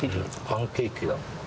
パンケーキだ。